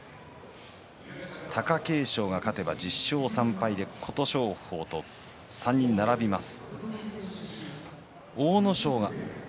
貴景勝勝てば１０勝３敗琴勝峰と３人並びます。